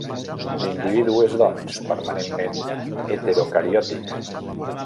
L'individu és, doncs, permanentment heterocariòtic.